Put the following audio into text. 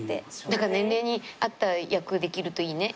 だから年齢に合った役できるといいね。